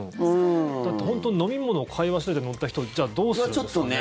だって飲み物を買い忘れて乗った人じゃあどうするんですかね。